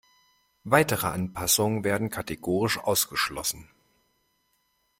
Weitere Anpassungen werden kategorisch ausgeschlossen.